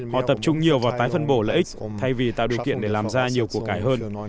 họ tập trung nhiều vào tái phân bổ lợi ích thay vì tạo điều kiện để làm ra nhiều cuộc cải hơn